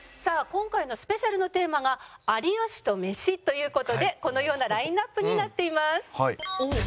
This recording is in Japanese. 今回のスペシャルのテーマが有吉とメシという事でこのようなラインアップになっています。